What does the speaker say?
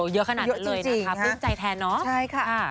เยอะขนาดเลยนะคะตื่นใจแทนเนอะใช่ค่ะ